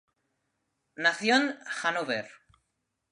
Nació en Hanover.